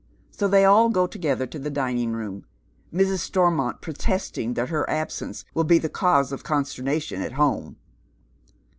So tliey all go together to the dining room, Mrs. Stor mont proteeting that her absence will be the cause of consterna tion at home.